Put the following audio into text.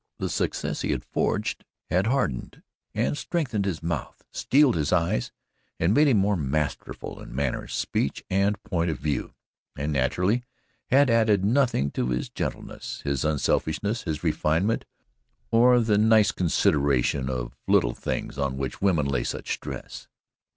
The success he had forged had hardened and strengthened his mouth, steeled his eyes and made him more masterful in manner, speech and point of view, and naturally had added nothing to his gentleness, his unselfishness, his refinement or the nice consideration of little things on which women lay such stress.